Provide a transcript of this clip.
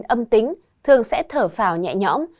âm tính thường sẽ thở phào nhẹ nhõm